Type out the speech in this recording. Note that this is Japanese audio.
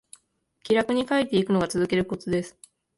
気楽に書いていくのが続けるコツです